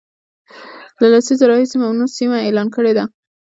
له لسیزو راهیسي ممنوع سیمه اعلان کړې ده